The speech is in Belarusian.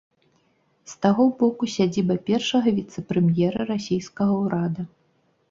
З таго боку сядзіба першага віцэ-прэм'ера расійскага ўрада.